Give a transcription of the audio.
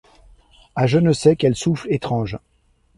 A je ne sais quel souffle étrange